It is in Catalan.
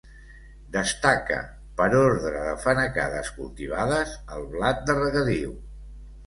Destaca per ordre de fanecades cultivades el blat de regadiu.